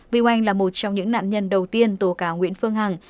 việu anh là một trong những nạn nhân đầu tiên tố cáo nguyễn phương hằng